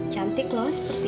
jauhanmu tak muncul lalu